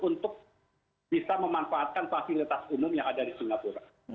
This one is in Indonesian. untuk bisa memanfaatkan fasilitas umum yang ada di singapura